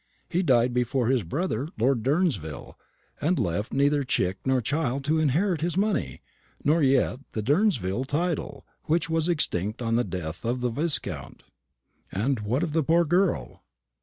He died before his brother, Lord Durnsville, and left neither chick nor child to inherit his money, nor yet the Durnsville title, which was extinct on the death of the viscount." "And what of the poor girl?"